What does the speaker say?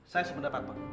saya sependapat pak